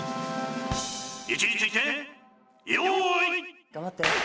位置について用意。